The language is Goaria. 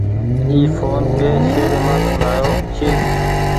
اي ڦون ڪي شهريمآلو لآيو ڇي۔